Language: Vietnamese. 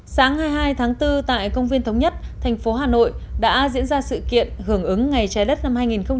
sáng hai mươi hai tháng bốn tại công viên thống nhất thành phố hà nội đã diễn ra sự kiện hưởng ứng ngày trái đất năm hai nghìn một mươi chín